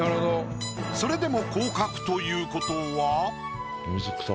それでも降格ということは。